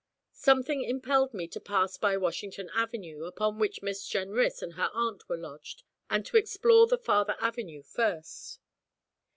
Something impelled me to pass by Washington Avenue, upon which Miss Jenrys and her aunt were lodged, and to explore the farther avenue first.